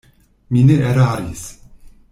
Mi ne eraris.